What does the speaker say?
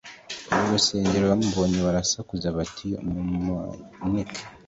b urusengero bamubonye barasakuza bati mumanike